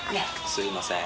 すいません。